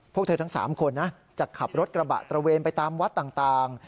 พวกเธอทั้ง๓คนนะจะขับรถกระบะตระเวนไปตามวัดต่าง